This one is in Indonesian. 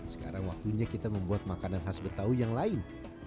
sekarang waktunya kita membuat makanan khas betawi yang lain